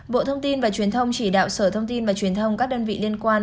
bộ thông tin và truyền thông chỉ đạo sở thông tin và truyền thông các đơn vị liên quan